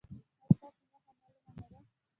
ایا ستاسو موخه معلومه نه ده؟